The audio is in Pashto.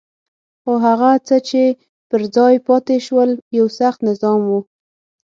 خو هغه څه چې پر ځای پاتې شول یو سخت نظام وو.